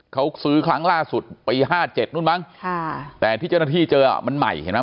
เขาซื้อครั้งล่าสุดปี๕๗นู่นมั้งค่ะแต่ที่เจ้าหน้าที่เจอมันใหม่เห็นไหม